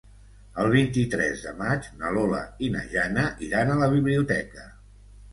El vint-i-tres de maig na Lola i na Jana iran a la biblioteca.